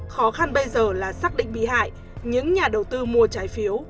khó khăn bây giờ là xác định bị hại những nhà đầu tư mua trái phiếu